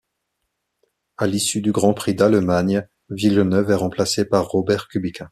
À l'issue du Grand Prix d'Allemagne, Villeneuve est remplacé par Robert Kubica.